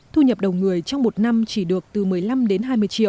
thu nhập đầu người trong một năm chỉ được từ một mươi năm đến năm mươi